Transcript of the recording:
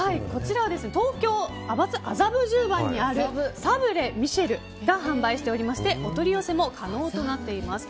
東京・麻布十番にあるサブレミシェルが販売しておりましてお取り寄せも可能となっています。